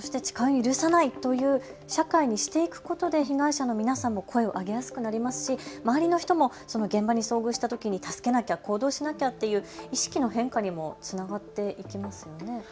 そして痴漢を許さないという社会にしていくことで被害者の皆さんも声を上げやすくなりますし周りの人も現場に遭遇したときに助けなきゃ、行動しなきゃという意識の変化にもつながっていきますよね。